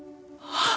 あっ！